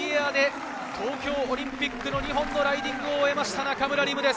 東京オリンピックの２本のライディングを終えました中村輪夢です。